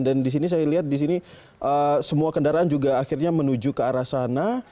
dan di sini saya lihat di sini semua kendaraan juga akhirnya menuju ke arah sana